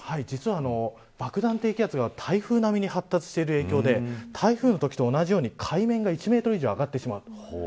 実は、爆弾低気圧が台風並みに発達している影響で台風のときと同じように海面が１メートル以上上がってしまう。